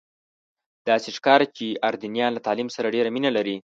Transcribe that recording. داسې ښکاري چې اردنیان له تعلیم سره ډېره مینه لري.